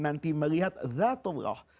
nanti melihat zatullah